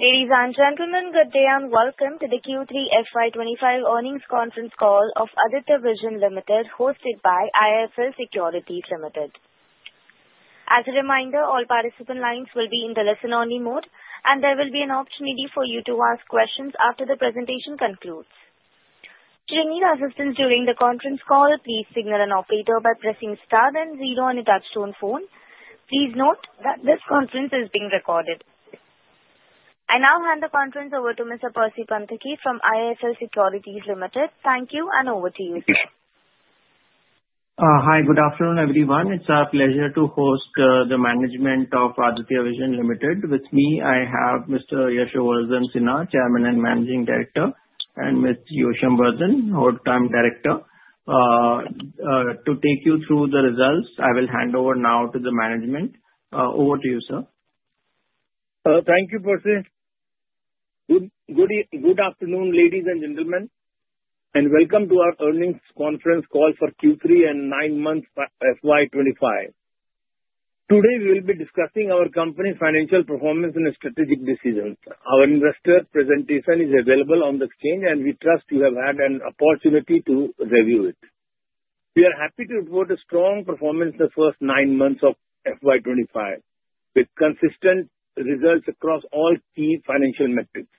Ladies and gentlemen, good day and welcome to the Q3 FY 2025 earnings conference call of Aditya Vision Limited, hosted by IIFL Securities Limited. As a reminder, all participant lines will be in the listen-only mode, and there will be an opportunity for you to ask questions after the presentation concludes. Should you need assistance during the conference call, please signal an operator by pressing star then zero on your touch-tone phone. Please note that this conference is being recorded. I now hand the conference over to Mr. Percy Panthaki from IIFL Securities Limited. Thank you, and over to you, sir. Hi. Good afternoon, everyone. It is our pleasure to host the management of Aditya Vision Limited. With me, I have Mr. Yashovardhan Sinha, Chairman and Managing Director, and Ms. Yoshovarshan, Whole Time Director. To take you through the results, I will hand over now to the management. Over to you, sir. Thank you, Percy. Good afternoon, ladies and gentlemen, and welcome to our earnings conference call for Q3 and nine months FY 2025. Today, we will be discussing our company's financial performance and strategic decisions. Our investor presentation is available on the screen, and we trust you have had an opportunity to review it. We are happy to report a strong performance the first nine months of FY 2025, with consistent results across all key financial metrics.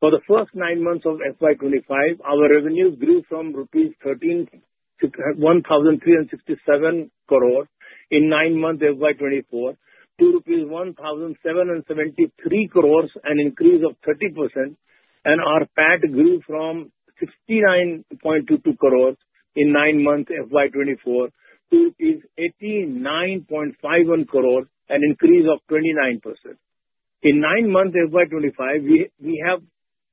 For the first nine months of FY 2025, our revenue grew from rupees 1,367 crores in nine months FY 2024 to 1,773 crores, an increase of 30%, and our PAT grew from 69.22 crores in nine months FY 2024 to 89.51 crores, an increase of 29%. In nine months FY 2025, we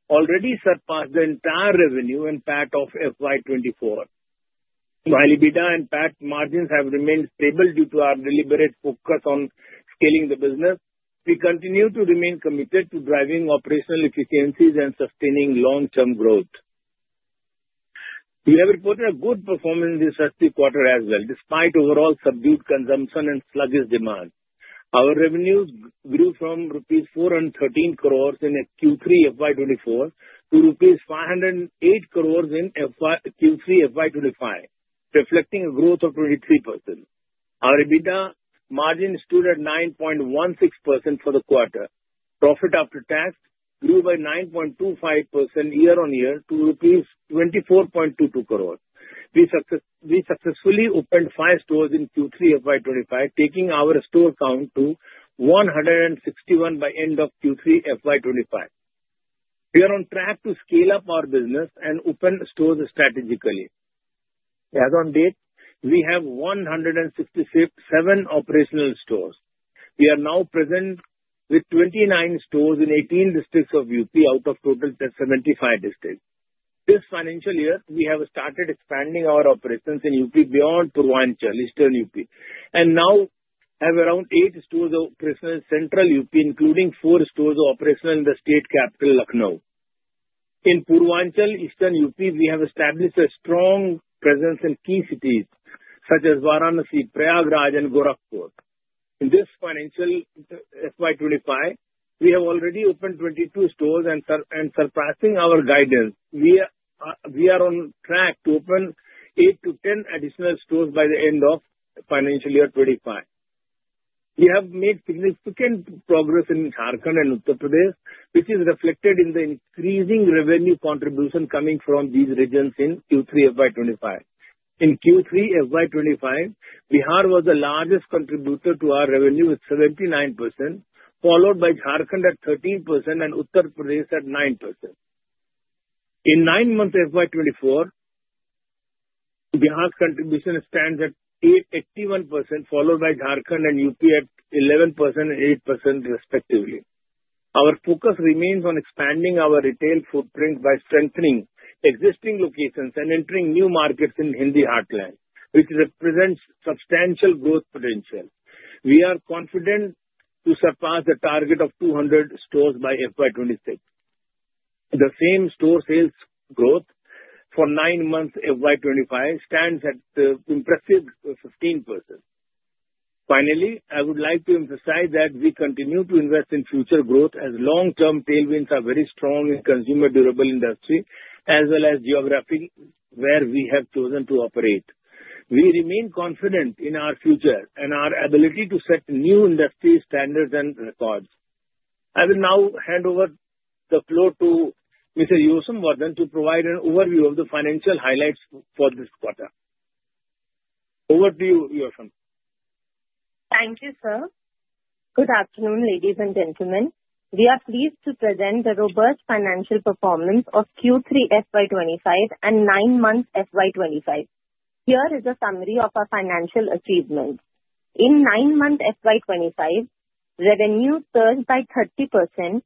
have already surpassed the entire revenue and PAT of FY 2024. While EBITDA and PAT margins have remained stable due to our deliberate focus on scaling the business, we continue to remain committed to driving operational efficiencies and sustaining long-term growth. We have reported a good performance this past quarter as well, despite overall subdued consumption and sluggish demand. Our revenues grew from rupees 413 crores in Q3 FY 2024 to rupees 508 crores in Q3 FY 2025, reflecting a growth of 23%. Our EBITDA margin stood at 9.16% for the quarter. Profit after tax grew by 9.25% year-on-year to rupees 24.22 crores. We successfully opened five stores in Q3 FY 2025, taking our store count to 161 by end of Q3 FY 2025. We are on track to scale up our business and open stores strategically. As on date, we have 167 operational stores. We are now present with 29 stores in 18 districts of UP out of total 75 districts. This financial year, we have started expanding our operations in UP beyond Purvanchal, Eastern UP, and now have around eight stores operational in Central UP, including four stores operational in the state capital, Lucknow. In Purvanchal, Eastern UP, we have established a strong presence in key cities such as Varanasi, Prayagraj, and Gorakhpur. In this financial FY 2025, we have already opened 22 stores and surpassing our guidance. We are on track to open eight to 10 additional stores by the end of financial year 2025. We have made significant progress in Jharkhand and Uttar Pradesh, which is reflected in the increasing revenue contribution coming from these regions in Q3 FY 2025. In Q3 FY 2025, Bihar was the largest contributor to our revenue with 79%, followed by Jharkhand at 13% and Uttar Pradesh at 9%. In nine months FY 2024, Bihar's contribution stands at 81%, followed by Jharkhand and UP at 11% and 8% respectively. Our focus remains on expanding our retail footprint by strengthening existing locations and entering new markets in Hindi heartland, which represents substantial growth potential. We are confident to surpass the target of 200 stores by FY 2026. The same-store sales growth for nine months FY 2025 stands at impressive 15%. Finally, I would like to emphasize that we continue to invest in future growth as long-term tailwinds are very strong in consumer durable industry, as well as geography where we have chosen to operate. We remain confident in our future and our ability to set new industry standards and records. I will now hand over the floor to Mr. Yashovardhan to provide an overview of the financial highlights for this quarter. Over to you, Yashovardhan. Thank you, sir. Good afternoon, ladies and gentlemen. We are pleased to present the robust financial performance of Q3 FY 2025 and nine months FY 2025. Here is a summary of our financial achievements. In nine months FY 2025, revenue surged by 30%,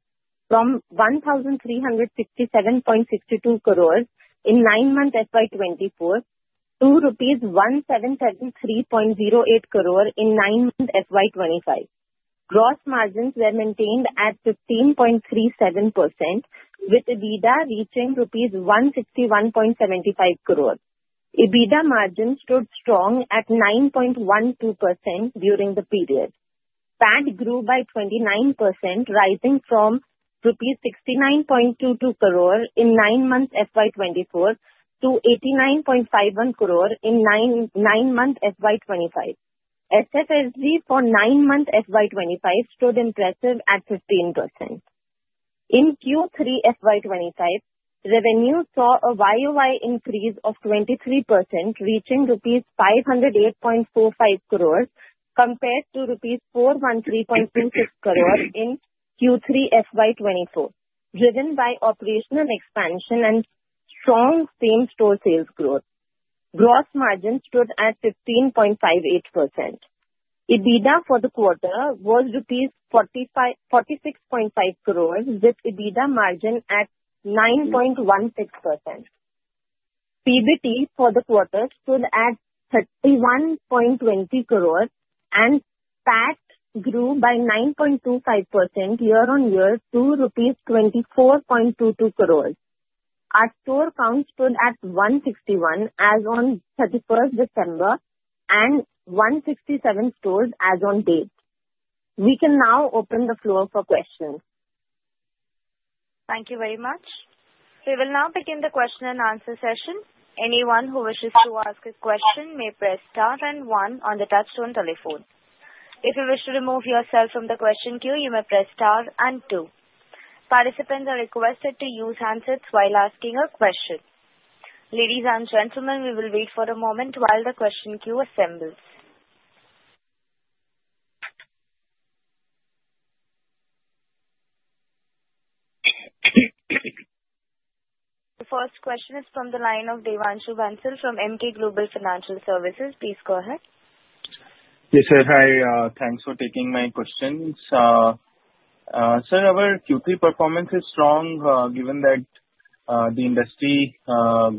from 1,367.62 crores in nine months FY 2024 to INR 1,773.08 crore in nine months FY 2025. Gross margins were maintained at 15.37%, with EBITDA reaching rupees 161.75 crores. EBITDA margin stood strong at 9.12% during the period. PAT grew by 29%, rising from INR 69.22 crore in nine months FY 2024 to INR 89.51 crore in nine months FY 2025. SSSG for nine months FY 2025 stood impressive at 15%. In Q3 FY 2025, revenue saw a YOY increase of 23%, reaching rupees 508.45 crores compared to rupees 413.26 crore in Q3 FY 2024, driven by operational expansion and strong same-store sales growth. Gross margin stood at 15.58%. EBITDA for the quarter was rupees 46.5 crores with EBITDA margin at 9.16%. PBT for the quarter stood at 31.20 crores and PAT grew by 9.25% year-on-year to rupees 24.22 crores. Our store count stood at 161 as on 31st December, and 167 stores as on date. We can now open the floor for questions. Thank you very much. We will now begin the question and answer session. Anyone who wishes to ask a question may press star and one on the touchtone telephone. If you wish to remove yourself from the question queue, you may press star and two. Participants are requested to use handsets while asking a question. Ladies and gentlemen, we will wait for a moment while the question queue assembles. The first question is from the line of Devanshu Bansal from Emkay Global Financial Services. Please go ahead. Yes, sir. Hi. Thanks for taking my questions. Sir, our Q3 performance is strong, given that the industry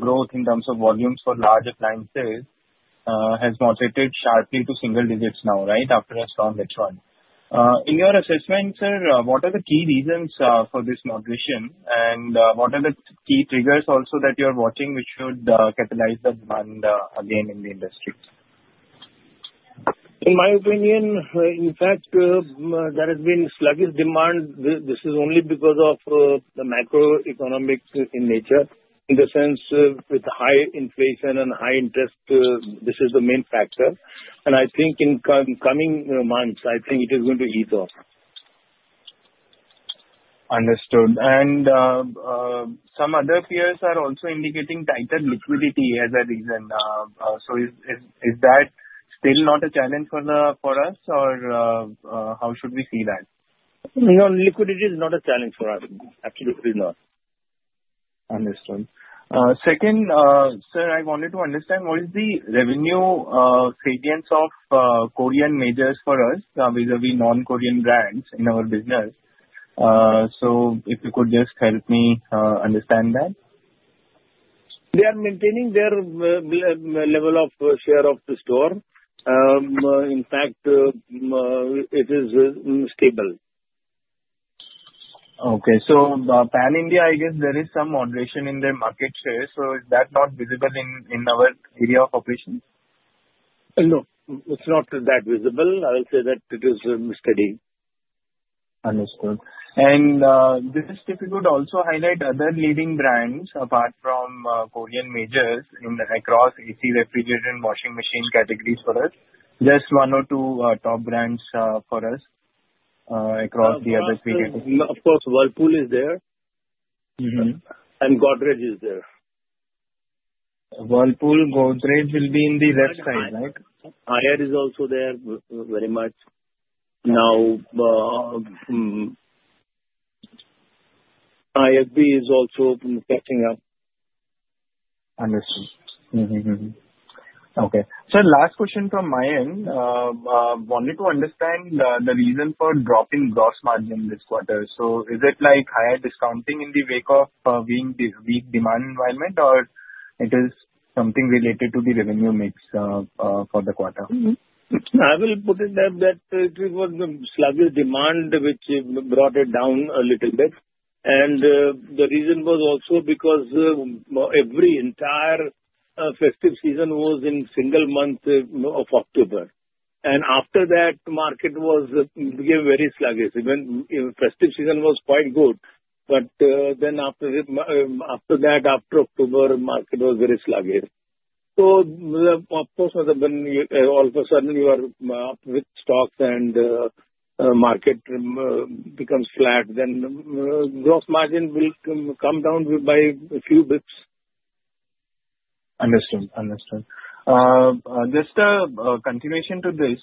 growth in terms of volumes for larger appliances has moderated sharply to single digits now, right after a strong H1. In your assessment, sir, what are the key reasons for this moderation, and what are the key triggers also that you're watching, which should catalyze the demand again in the industry? In my opinion, in fact, there has been sluggish demand. This is only because of the macroeconomics in nature, in the sense with high inflation and high interest, this is the main factor. I think in coming months, I think it is going to ease off. Understood. Some other peers are also indicating tighter liquidity as a reason. Is that still not a challenge for us or how should we see that? No, liquidity is not a challenge for us. Absolutely not. Understood. Second, sir, I wanted to understand what is the revenue cadence of Korean majors for us vis-a-vis non-Korean brands in our business. If you could just help me understand that. They are maintaining their level of share of the store. In fact, it is stable. Okay. Pan-India, I guess there is some moderation in their market share, is that not visible in our area of operations? No. It's not that visible. I'll say that it is steady. Understood. If you could also highlight other leading brands apart from Korean majors across AC, refrigeration, washing machine categories for us. Just one or two top brands for us across the other segments. Of course, Whirlpool is there. Godrej is there. Whirlpool, Godrej will be in the red side, right? Haier is also there very much. IFB is also catching up. Understood. Okay. Sir, last question from my end. I wanted to understand the reason for dropping gross margin this quarter. Is it higher discounting in the wake of weak demand environment, or it is something related to the revenue mix for the quarter? I will put it that it was sluggish demand which brought it down a little bit. The reason was also because every entire festive season was in single month of October. After that, market became very sluggish. Even festive season was quite good, but then after that, after October, market was very sluggish. Of course, when all of a sudden you are up with stocks and market becomes flat, then gross margin will come down by a few bits. Understood. Just a continuation to this.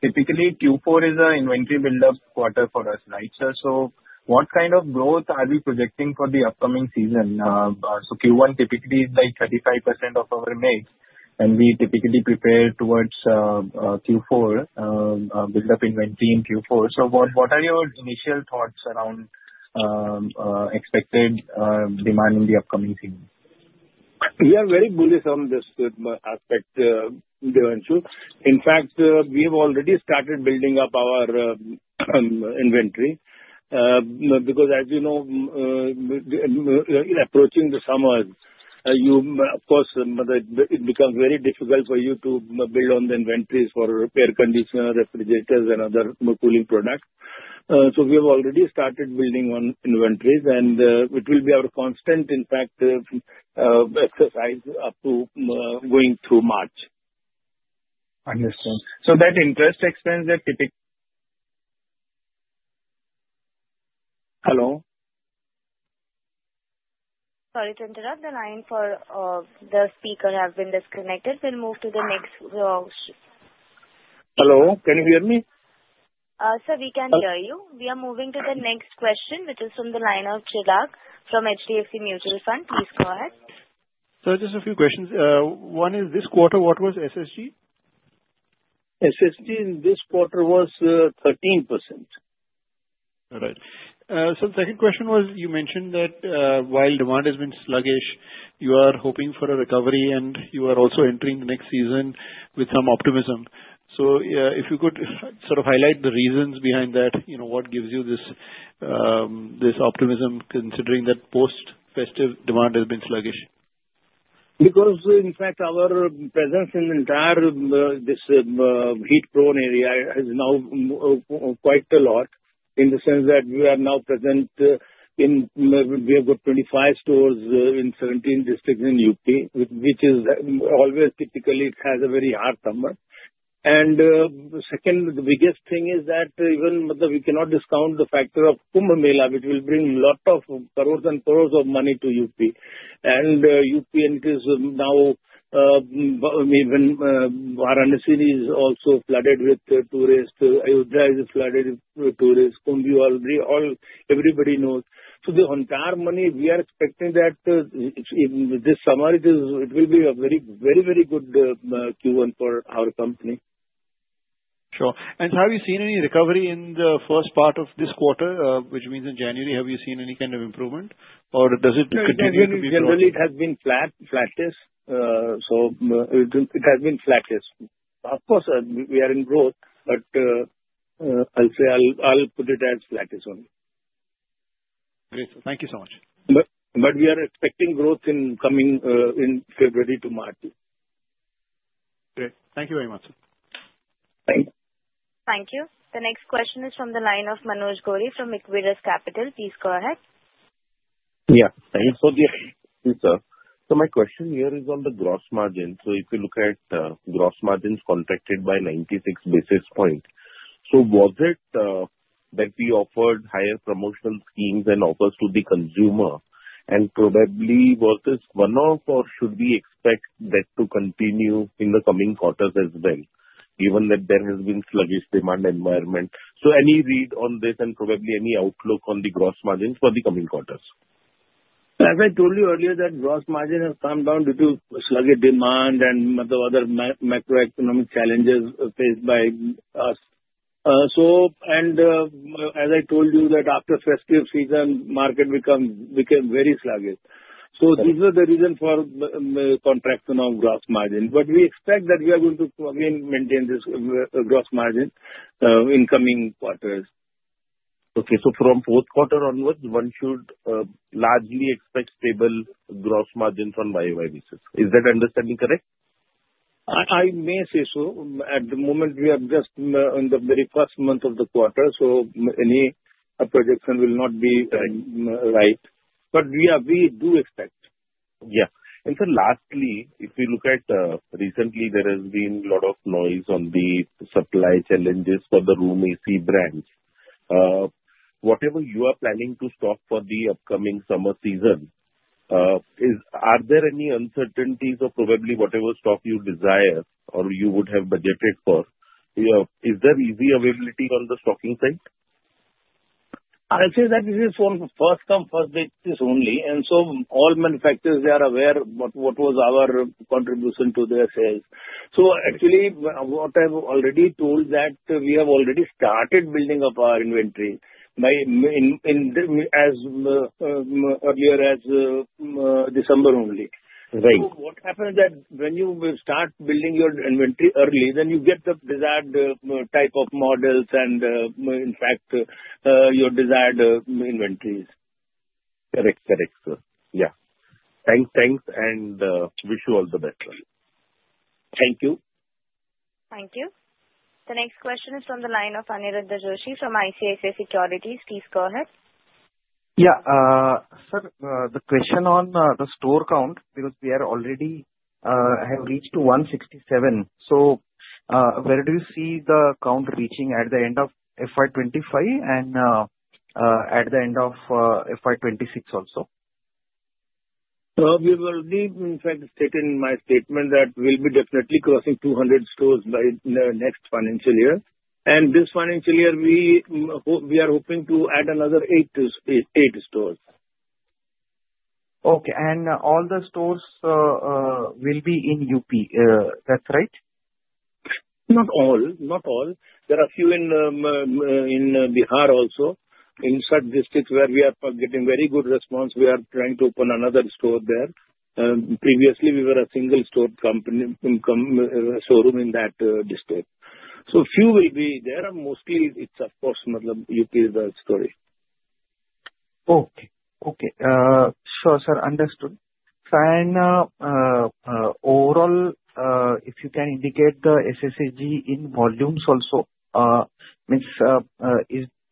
Typically Q4 is an inventory build-up quarter for us, right, sir? What kind of growth are we projecting for the upcoming season? Q1 typically is 35% of our mix, and we typically prepare towards Q4, build up inventory in Q4. What are your initial thoughts around expected demand in the upcoming season? We are very bullish on this aspect, Devanshu. In fact, we've already started building up our inventory, because as you know, approaching the summers. Of course, it becomes very difficult for you to build on the inventories for air conditioner, refrigerators, and other cooling products. We have already started building on inventories, and it will be our constant exercise up to going through March. Understand. That interest expense that Hello? Sorry to interrupt. The line for the speaker has been disconnected. We'll move to the next Hello, can you hear me? Sir, we can hear you. We are moving to the next question, which is from the line of Chirag from HDFC Mutual Fund. Please go ahead. Sir, just a few questions. One is this quarter, what was SSG? SSG in this quarter was 13%. All right. Sir, second question was, you mentioned that while demand has been sluggish, you are hoping for a recovery and you are also entering the next season with some optimism. If you could highlight the reasons behind that, what gives you this optimism considering that post-festive demand has been sluggish? In fact, our presence in entire this heat-prone area is now quite a lot in the sense that we have got 25 stores in 17 districts in U.P., which always typically has a very hot summer. The second biggest thing is that even we cannot discount the factor of Kumbh Mela, which will bring lot of crores and crores of money to U.P. U.P. increases now, even Varanasi is also flooded with tourists. Ayodhya is flooded with tourists. Kumbh, everybody knows. The entire money, we are expecting that this summer it will be a very good Q1 for our company. Sure. Have you seen any recovery in the first part of this quarter? Which means in January, have you seen any kind of improvement, or does it continue to be- Generally, it has been flattest. It has been flattest. Of course, we are in growth, but I'll put it as flattest only. Great. Thank you so much. We are expecting growth in February to March. Great. Thank you very much, sir. Thank you. Thank you. The next question is from the line of Manoj Gori from Equirus Capital. Please go ahead. Yeah. Thank you. My question here is on the gross margin. If you look at gross margins contracted by 96 basis points. Was it that we offered higher promotional schemes and offers to the consumer and probably was this one-off or should we expect that to continue in the coming quarters as well, given that there has been sluggish demand environment? Any read on this and probably any outlook on the gross margins for the coming quarters? As I told you earlier, that gross margin has come down due to sluggish demand and other macroeconomic challenges faced by us. As I told you that after festive season, market became very sluggish. These are the reason for contraction of gross margin. We expect that we are going to again maintain this gross margin in coming quarters. Okay. From fourth quarter onwards, one should largely expect stable gross margins on YOY basis. Is that understanding correct? I may say so. At the moment, we are just in the very first month of the quarter, any projection will not be right. We do expect. Yeah. Sir, lastly, if we look at recently, there has been lot of noise on the supply challenges for the room AC brands. Whatever you are planning to stock for the upcoming summer season, are there any uncertainties or probably whatever stock you desire or you would have budgeted for, is there easy availability on the stocking side? I'll say that it is on first come, first basis only. All manufacturers, they are aware what was our contribution to their sales. Actually, what I've already told that we have already started building up our inventory as earlier as December only. Right. What happens is that when you start building your inventory early, you get the desired type of models and in fact, your desired inventories. Correct, sir. Yeah. Thanks, and wish you all the best. Thank you. Thank you. The next question is from the line of Aniruddha Joshi from ICICI Securities. Please go ahead. Yeah. Sir, the question on the store count, because we already have reached to 167. Where do you see the count reaching at the end of FY 2025 and at the end of FY 2026 also? We will be, in fact, stating my statement that we will be definitely crossing 200 stores by next financial year. This financial year, we are hoping to add another 8 stores. Okay. All the stores will be in UP, that's right? Not all. There are a few in Bihar also. In such districts where we are getting very good response, we are trying to open another store there. Previously, we were a single store company, showroom in that district. Few will be there, mostly it's, of course, UP is the story. Okay. Sure, sir. Understood. Fine. Overall, if you can indicate the SSSG in volumes also.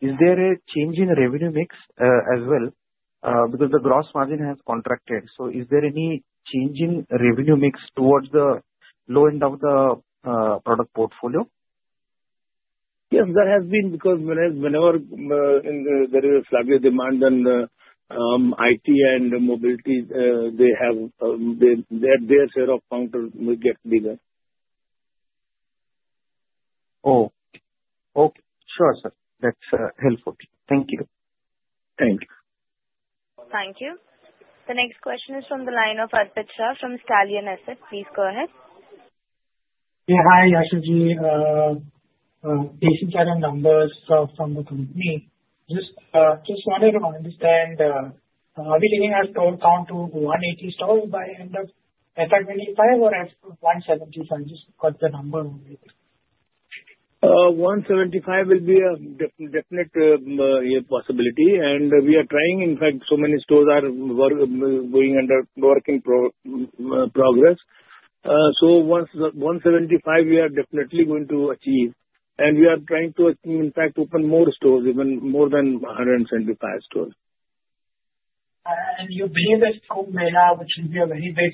Is there a change in revenue mix as well? Because the gross margin has contracted, is there any change in revenue mix towards the low end of the product portfolio? Yes, there has been. Whenever there is a sluggish demand on IT and mobility, their share of counter will get bigger. Okay. Sure, sir. That's helpful. Thank you. Thank you. Thank you. The next question is from the line of Arpit Shah from Stallion Asset. Please go ahead. Hi, Ashujit. Based on certain numbers from the company, just wanted to understand, are we looking at store count to 180 stores by end of FY 2025 or FY 2025? Just to get the number. 175 will be a definite possibility. We are trying. In fact, so many stores are work in progress. 175 we are definitely going to achieve and we are trying to, in fact, open more stores, even more than 175 stores. You believe that Kumbh Mela which will be a very big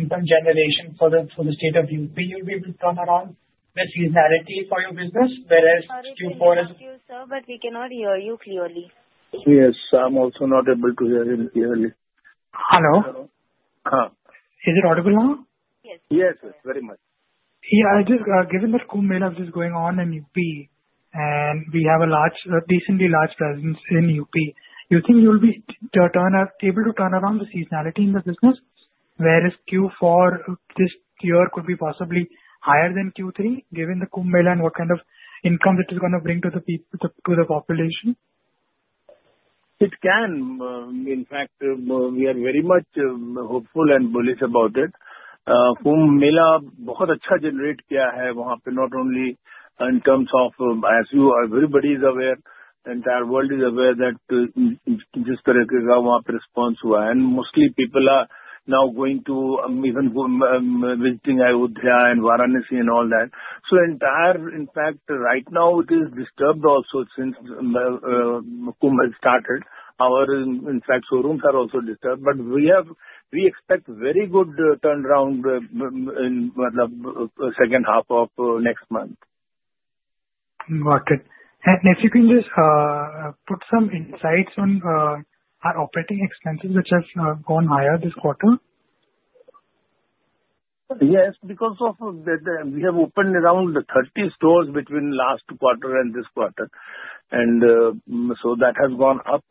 income generation for the state of U.P., you'll be able to turn around the seasonality for your business whereas Q4- Sorry to interrupt you, sir. We cannot hear you clearly. Yes, I'm also not able to hear him clearly. Hello? Hello. Is it audible now? Yes. Yes, very much. Given the Kumbh Mela which is going on in UP and we have a decently large presence in UP, you think you'll be able to turn around the seasonality in the business whereas Q4 this year could be possibly higher than Q3 given the Kumbh Mela and what kind of income it is going to bring to the population? It can. In fact, we are very much hopeful and bullish about it. Kumbh Mela, speaking in Hindi not only in terms of, as everybody is aware, the entire world is aware that the response and mostly people are now going to even visiting Ayodhya and Varanasi and all that. Entire, in fact, right now it is disturbed also since Kumbh has started. Our, in fact, showrooms are also disturbed but we expect very good turnaround in the second half of next month. Got it. If you can just put some insights on our operating expenses which have gone higher this quarter. Yes, because we have opened around 30 stores between last quarter and this quarter. That has gone up.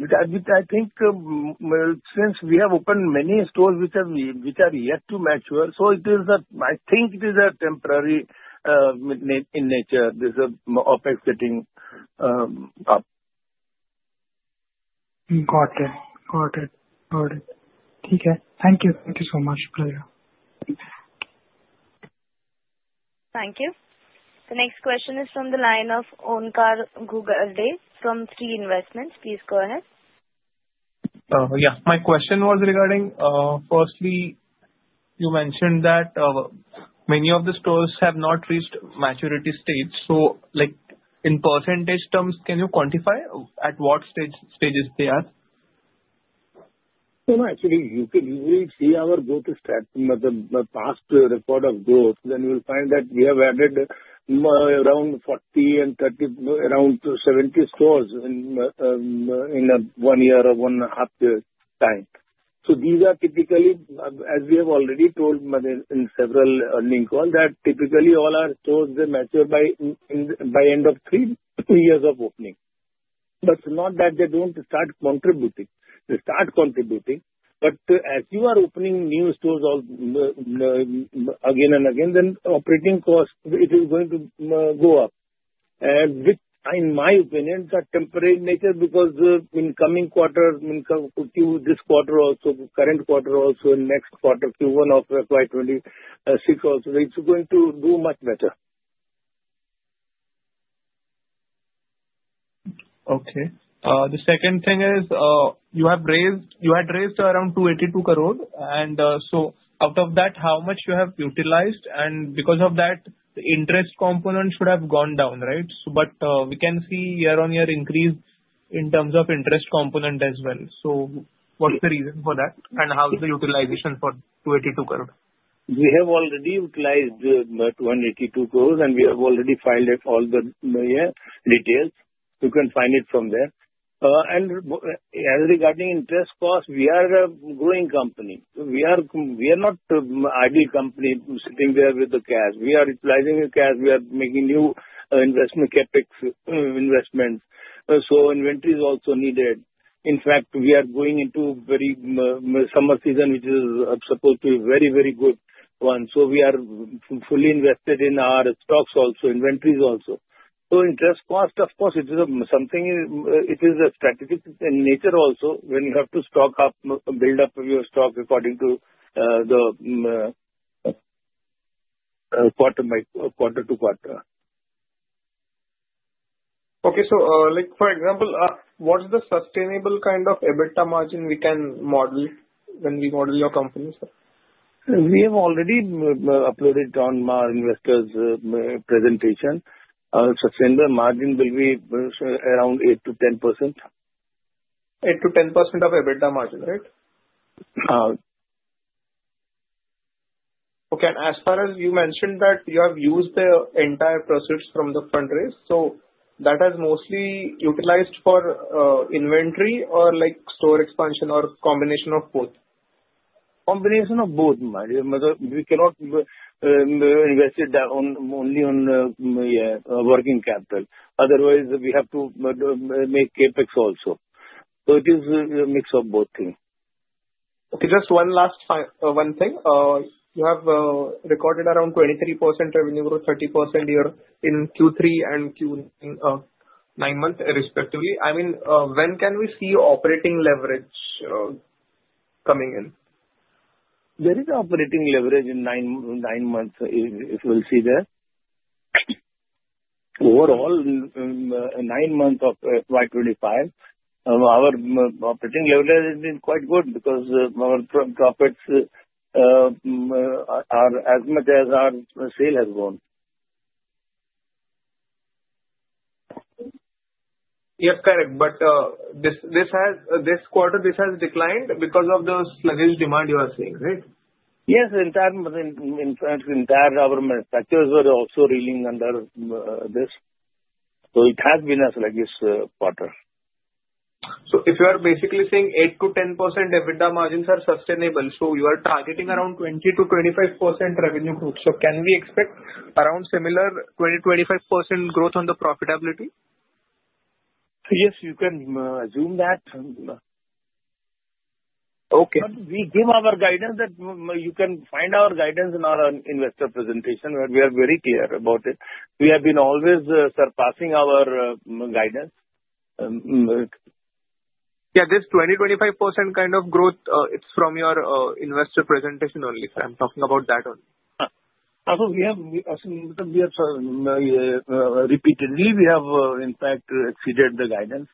I think since we have opened many stores which are yet to mature, I think it is temporary in nature, this OpEx sitting up. Got it. Thank you so much for your help. Thank you. The next question is from the line of Onkar Gugale from Three Investments. Please go ahead. My question was regarding, firstly, you mentioned that many of the stores have not reached maturity stage. In % terms, can you quantify at what stages they are? Actually, you will see our growth stats in the past record of growth, you'll find that we have added around 40 and 30, around 70 stores in one year or one half year time. These are typically, as we have already told in several earning calls, that typically all our stores, they mature by end of three years of opening. Not that they don't start contributing. They start contributing, as you are opening new stores again and again, operating cost, it is going to go up, which in my opinion, is of temporary nature because in coming quarters, this quarter also, current quarter also, in next quarter Q1 of FY 2026 also, it's going to do much better. Okay. The second thing is you had raised around 282 crore. Out of that, how much you have utilized and because of that, the interest component should have gone down, right? We can see year-on-year increase in terms of interest component as well. What's the reason for that and how is the utilization for 282 crore? We have already utilized the 282 crore and we have already filed all the details. You can find it from there. Regarding interest cost, we are a growing company. We are not idle company sitting there with the cash. We are utilizing the cash. We are making new investment CapEx investments. Inventory is also needed. In fact, we are going into summer season which is supposed to be very good one. We are fully invested in our stocks also, inventories also. In this cost, of course, it is strategic in nature also when you have to build up your stock according to the quarter-to-quarter. Okay. For example, what is the sustainable kind of EBITDA margin we can model when we model your company, sir? We have already uploaded it on our investors presentation. Our sustainable margin will be around 8%-10%. 8%-10% of EBITDA margin, right? Yes. Okay. As far as you mentioned that you have used the entire proceeds from the fundraise, that is mostly utilized for inventory or store expansion or combination of both? Combination of both. We cannot invest it only on working capital. Otherwise, we have to make CapEx also. It is a mix of both things. Okay. Just one last thing. You have recorded around 23% revenue growth, 30% YOY in Q3 and Q nine months respectively. When can we see operating leverage coming in? There is operating leverage in nine months, if you will see there. Overall, nine months of FY 2025, our operating leverage has been quite good because our profits are as much as our sale has grown. Yes, correct. This quarter, this has declined because of those sluggish demand you are seeing, right? Yes. In fact, entire government structures were also reeling under this. It has been a sluggish quarter. If you are basically saying 8%-10% EBITDA margins are sustainable, you are targeting around 20%-25% revenue growth. Can we expect around similar 20%-25% growth on the profitability? Yes, you can assume that. Okay. We give our guidance that you can find our guidance in our investor presentation, and we are very clear about it. We have been always surpassing our guidance. Yeah, this 20%-25% kind of growth, it's from your investor presentation only. I'm talking about that only. Also, repeatedly we have, in fact, exceeded the guidance.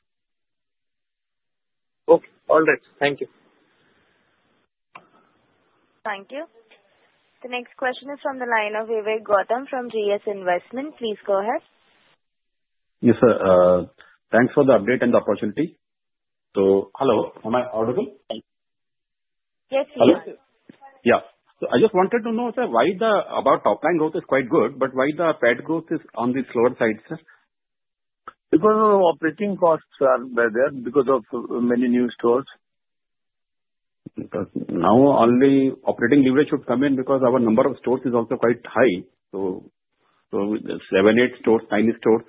Okay. All right. Thank you. Thank you. The next question is from the line of Vivek Gautam from GS Investment. Please go ahead. Yes, sir. Thanks for the update and the opportunity. Hello, am I audible? Yes, we hear you. Hello. Yeah. I just wanted to know, sir, about top-line growth is quite good, but why the PAT growth is on the slower side, sir? Operating costs are there because of many new stores. Now only operating leverage should come in because our number of stores is also quite high. Seven, eight stores, nine stores,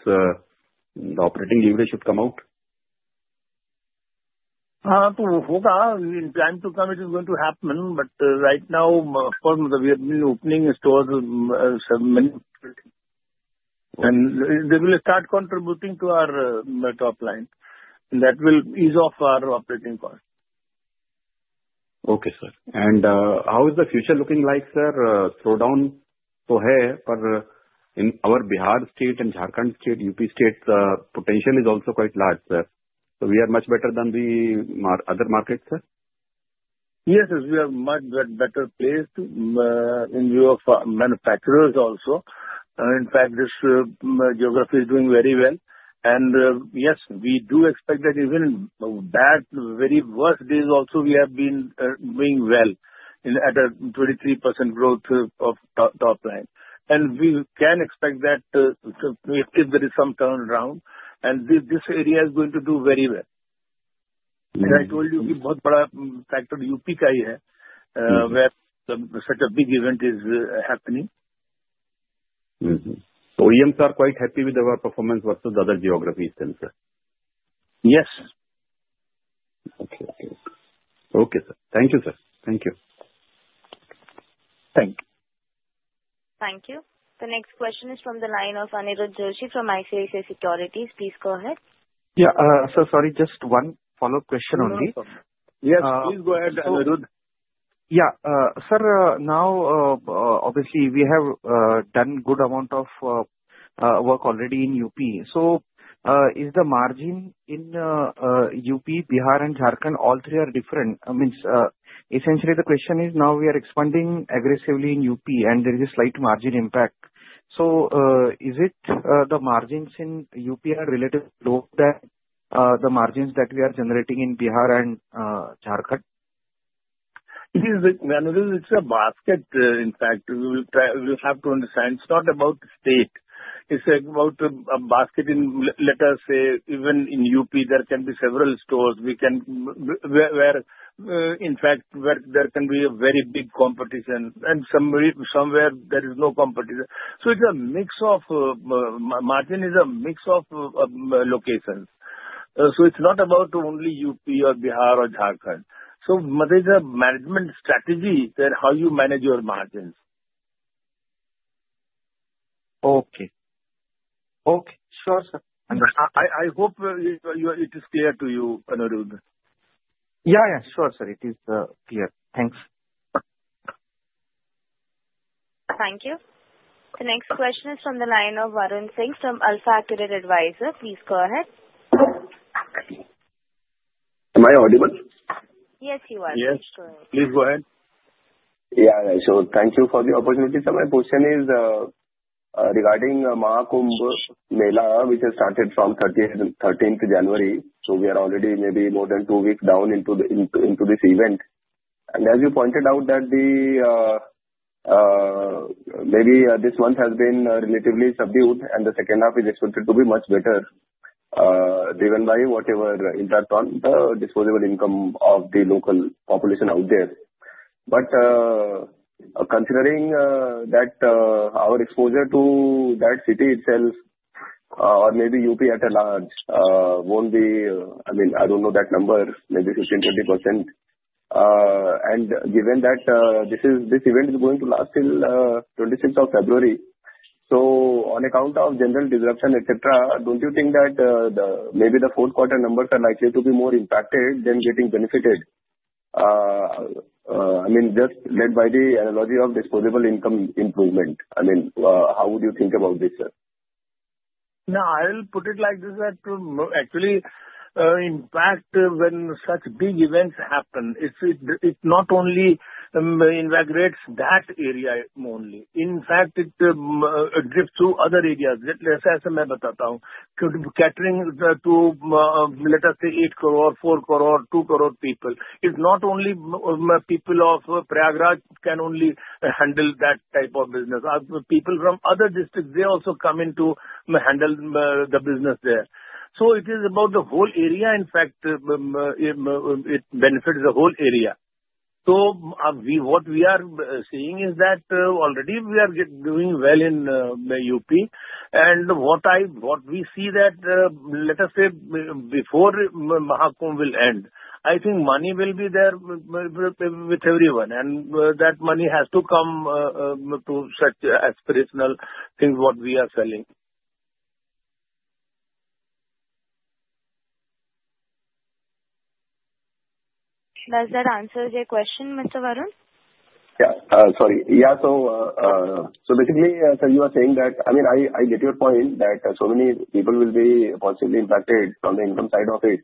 the operating leverage should come out. It will happen. We plan to come, it is going to happen, but right now, of course, we are opening stores. They will start contributing to our top-line. That will ease off our operating cost. Okay, sir. How is the future looking like, sir? Slow down is there but in our Bihar state and Jharkhand state, UP state, the potential is also quite large, sir. We are much better than the other markets, sir? Yes. We are much better placed in view of manufacturers also. In fact, this geography is doing very well. Yes, we do expect that even in bad, very worst days also, we have been doing well at a 23% growth of top-line. We can expect that if there is some turnaround and this area is going to do very well. As I told you, a big factor is UP only where such a big event is happening. OEMs are quite happy with our performance versus other geographies then, sir? Yes. Okay, sir. Thank you, sir. Thank you. Thank you. Thank you. The next question is from the line of Aniruddha Joshi from ICICI Securities. Please go ahead. Yeah, sir. Sorry, just one follow-up question only. Yes, please go ahead, Aniruddha. Yeah. Sir, now obviously we have done good amount of work already in U.P. Is the margin in U.P., Bihar and Jharkhand, all three are different? Essentially the question is now we are expanding aggressively in U.P. and there is a slight margin impact. Is it the margins in U.P. are relatively low than the margins that we are generating in Bihar and Jharkhand? It's a basket. You have to understand, it's not about state. It's about a basket. Even in UP, there can be several stores where there can be a very big competition and somewhere there is no competition. Margin is a mix of locations. It's not about only UP or Bihar or Jharkhand. There's a management strategy, is that how you manage your margins. Okay. Sure, sir. I hope it is clear to you, Anirudh. Sure, sir. It is clear. Thanks. Thank you. The next question is from the line of Varun Singh from AlfAccurate Advisors. Please go ahead. Am I audible? Yes, you are. Yes. Please go ahead. Yeah, sure. Thank you for the opportunity, sir. My question is regarding Maha Kumbh Mela, which has started from 13th January. We are already maybe more than two weeks down into this event. As you pointed out that maybe this month has been relatively subdued and the second half is expected to be much better, driven by whatever impact on the disposable income of the local population out there. Considering that our exposure to that city itself or maybe UP at large, won't be, I don't know that number, maybe 15%, 20%. Given that this event is going to last till 26th of February. On account of general disruption, et cetera, don't you think that maybe the fourth quarter numbers are likely to be more impacted than getting benefited? Just led by the analogy of disposable income improvement. How would you think about this, sir? I'll put it like this, that actually, in fact, when such big events happen, it not only invigorates that area only. In fact, it drifts to other areas. Catering to, let us say 8 crore, 4 crore, 2 crore people. It's not only people of Prayagraj can only handle that type of business. People from other districts, they also come in to handle the business there. It is about the whole area, in fact, it benefits the whole area. What we are seeing is that already we are doing well in UP and what we see that, let us say, before Maha Kumbh will end, I think money will be there with everyone, and that money has to come to such aspirational things, what we are selling. Does that answer your question, Mr. Varun? Sorry. Basically, sir, you are saying that I get your point that so many people will be positively impacted from the income side of it.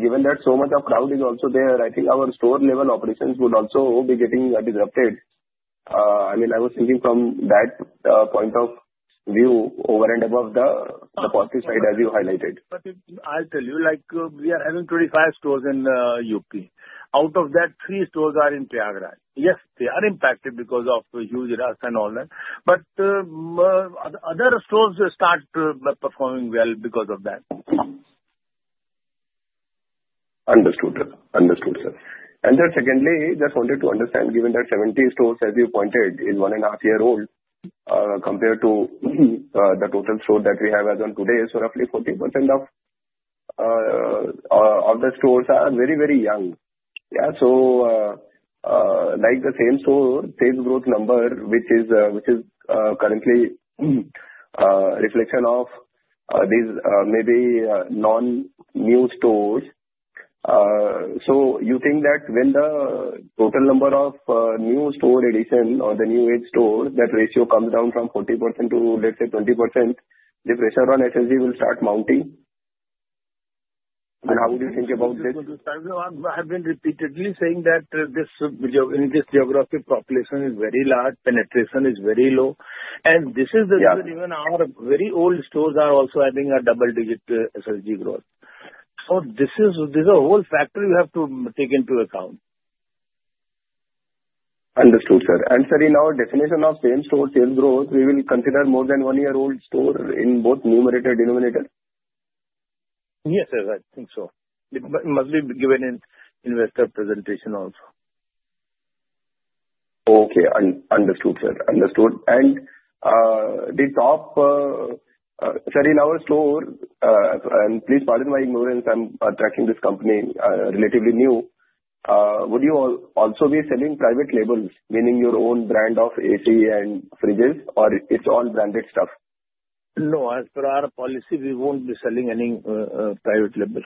Given that so much of crowd is also there, I think our store level operations would also be getting disrupted. I was thinking from that point of view over and above the positive side as you highlighted. I'll tell you, we are having 35 stores in UP. Out of that, three stores are in Prayagraj. Yes, they are impacted because of the huge rush and all that, but other stores start performing well because of that. Understood, sir. Secondly, just wanted to understand, given that 70 stores, as you pointed, is one and a half year old, compared to the total store that we have as on today is roughly 40% of the stores are very young. Like the same store, same growth number, which is currently a reflection of these maybe non-new stores. You think that when the total number of new store addition or the new age stores, that ratio comes down from 40% to, let's say, 20%, the pressure on SSG will start mounting? How would you think about this? I've been repeatedly saying that this geographic population is very large, penetration is very low. Yeah even our very old stores are also having a double-digit SSG growth. This is a whole factor you have to take into account. Understood, sir. Sir, in our definition of same store sales growth, we will consider more than one-year-old store in both numerator, denominator? Yes, sir, I think so. It must be given in investor presentation also. Okay. Understood, sir. Sir, in our store, please pardon my ignorance, I'm tracking this company, relatively new. Would you also be selling private labels, meaning your own brand of AC and fridges, or it's all branded stuff? No, as per our policy, we won't be selling any private label.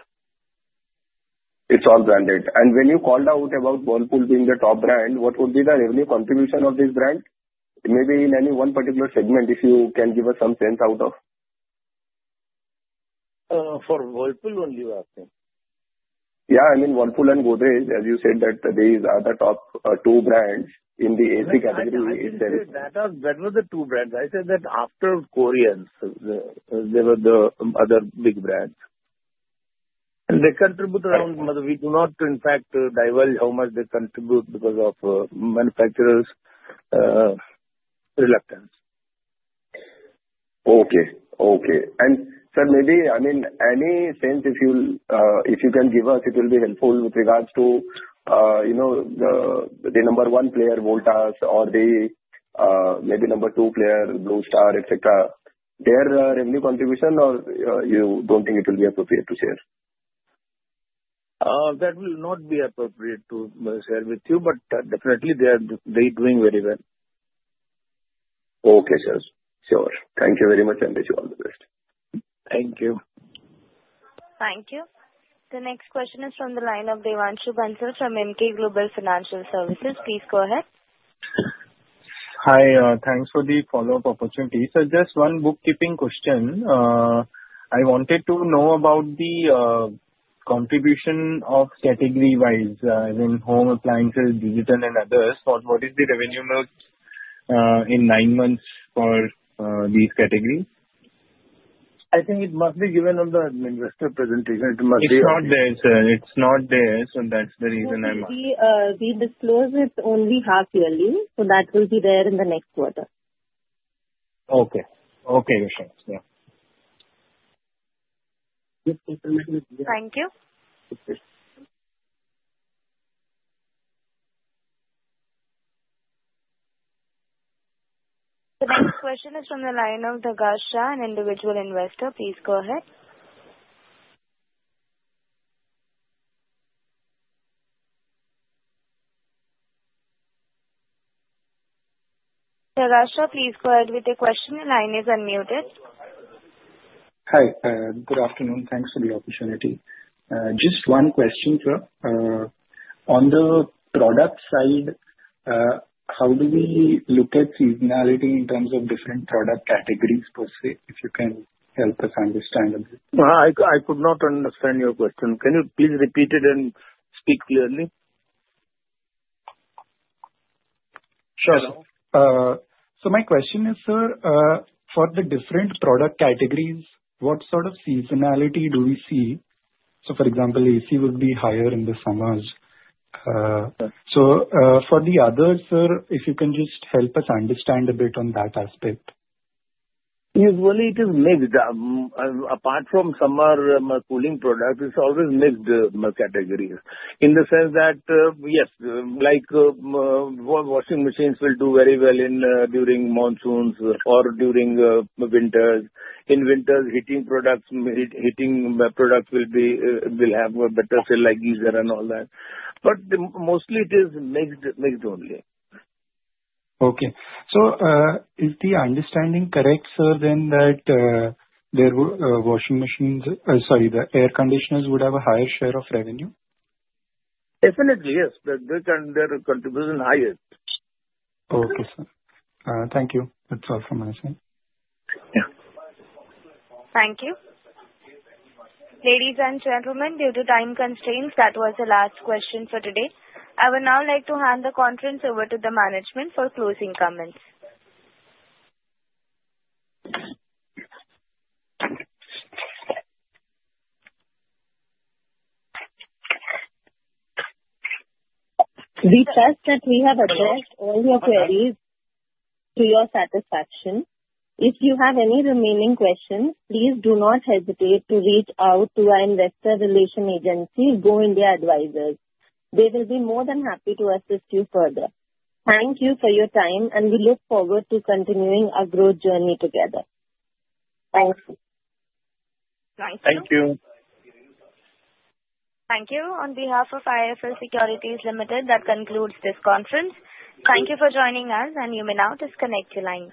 It's all branded. When you called out about Whirlpool being the top brand, what would be the revenue contribution of this brand? Maybe in any one particular segment, if you can give us some sense out of. For Whirlpool only you're asking? Yeah, Whirlpool and Godrej, as you said that these are the top two brands in the AC category. I didn't say that was the two brands. I said that after Koreans, they were the other big brands. We do not in fact divulge how much they contribute because of manufacturers' reluctance. Okay. Sir, maybe any sense if you can give us, it will be helpful with regards to the number one player, Voltas or the maybe number two player, Blue Star, et cetera. There are any contribution or you don't think it will be appropriate to share? That will not be appropriate to share with you, but definitely they are doing very well. Okay, sir. Sure. Thank you very much and wish you all the best. Thank you. Thank you. The next question is from the line of Devanshu Bansal from Emkay Global Financial Services. Please go ahead. Hi. Thanks for the follow-up opportunity. Just one bookkeeping question. I wanted to know about the contribution of category-wise, as in home appliances, digital, and others. What is the revenue mix in nine months for these categories? I think it must be given on the investor presentation. It's not there, sir. It's not there, so that's the reason I'm asking. We disclose it only half-yearly, so that will be there in the next quarter. Okay. Okay. Sure, yeah. Yes. Thank you. Okay. The next question is from the line of Jigar Shah, an individual investor. Please go ahead. Jigar Shah, please go ahead with your question. Your line is unmuted. Hi. Good afternoon. Thanks for the opportunity. Just one question, sir. On the product side, how do we look at seasonality in terms of different product categories per se, if you can help us understand a bit? I could not understand your question. Can you please repeat it and speak clearly? Sure. My question is, sir, for the different product categories, what sort of seasonality do we see? For example, AC would be higher in the summers. For the others, sir, if you can just help us understand a bit on that aspect. Usually it is mixed. Apart from summer cooling product, it's always mixed categories. In the sense that, yes, washing machines will do very well during monsoons or during winters. In winters, heating products will have a better sale, like geyser and all that. Mostly it is mixed only. Okay. Is the understanding correct, sir, that the air conditioners would have a higher share of revenue? Definitely, yes. Their contribution higher. Okay, sir. Thank you. That's all from my side. Yeah. Thank you. Ladies and gentlemen, due to time constraints, that was the last question for today. I would now like to hand the conference over to the management for closing comments. We trust that we have addressed all your queries to your satisfaction. If you have any remaining questions, please do not hesitate to reach out to our investor relation agency, Go India Advisors. They will be more than happy to assist you further. Thank you for your time, and we look forward to continuing our growth journey together. Thanks. Thank you. Thank you. On behalf of IIFL Securities Limited, that concludes this conference. Thank you for joining us, and you may now disconnect your lines.